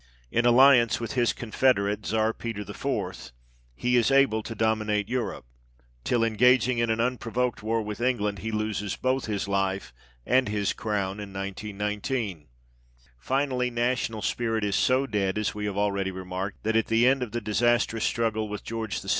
In alliance with his con federate Czar Peter IV., he is able to dominate Europe, till, engaging in an unprovoked war with England, he loses both his life and his crown in 1919. Finally, national spirit is so dead, as we have already remarked, THE EDITOR'S PREFACE. xv that at the end of the disastrous struggle with George VI.